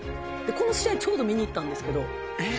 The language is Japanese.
この試合ちょうど見に行ったんですけどえっ